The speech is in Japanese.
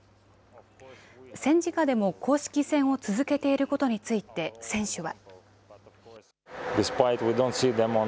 戦時下でも公式戦を続けていることについて選手は。